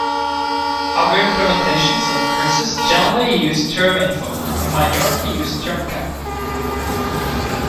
Other implementations of curses generally use terminfo; a minority use termcap.